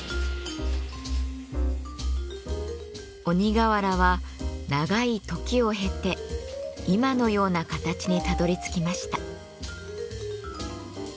鬼瓦は長い時を経て今のような形にたどりつきました。